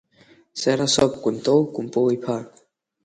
Сара соуп Кәынтыл Кәымпыл-иԥа!